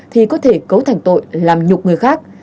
thì có thể cấu thành tội làm nhục người khác